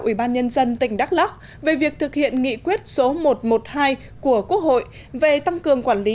ủy ban nhân dân tỉnh đắk lắc về việc thực hiện nghị quyết số một trăm một mươi hai của quốc hội về tăng cường quản lý